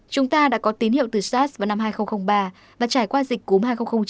chúng ta đã có tín hiệu từ sars vào năm hai nghìn ba và trải qua dịch cúm hai nghìn hai mươi